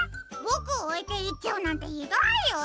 ボクをおいていっちゃうなんてひどいよ！